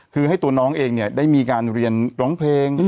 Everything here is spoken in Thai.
คือให้ตัวน้องเองเนี่ยได้มีการเรียนร้องเพลง